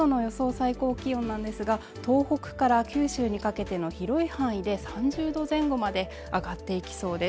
最高気温なんですが、東北から九州にかけての広い範囲で３０℃前後まで上がっていきそうです。